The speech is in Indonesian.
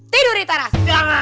tidur di teras